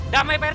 damai pak rt